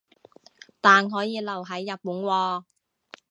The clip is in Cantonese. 但可以留係日本喎